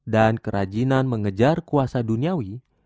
dan kerajinan mengejar kuasa duniawi